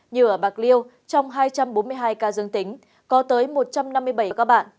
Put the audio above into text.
như ở bạc liêu trong hai trăm bốn mươi hai ca dương tính có tới một trăm năm mươi bảy các bạn